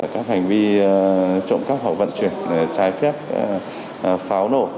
các hành vi trộm cắp hoặc vận chuyển trái phép pháo nổ